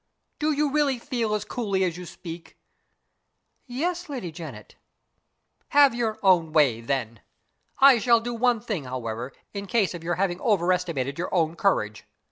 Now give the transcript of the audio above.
"Do you really feel as coolly as you speak?" "Yes, Lady Janet." "Have your own way, then. I shall do one thing, however, in case of your having overestimated your own courage.